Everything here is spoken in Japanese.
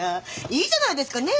いいじゃないですかね。